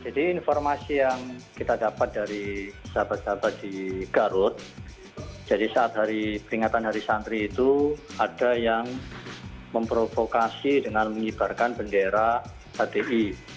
jadi informasi yang kita dapat dari sahabat sahabat di garut jadi saat peringatan hari santri itu ada yang memprovokasi dengan mengibarkan bendera hdi